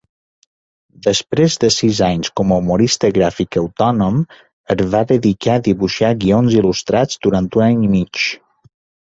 Desprès de sis anys com a humorista gràfic autònom, es va dedicar a dibuixar guions il·lustrats durant un any i mig.